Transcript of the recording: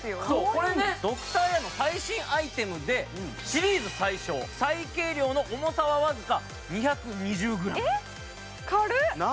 これねドクターエアの最新アイテムで、シリーズ最軽量、重さはわずか２２０ｇ。